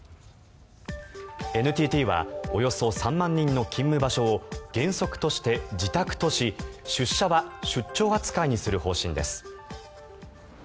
ＮＴＴはおよそ３万人の勤務場所を原則として自宅とし出社は出張扱いにする方針です。